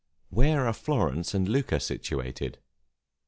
Where are Florence and Lucca situated?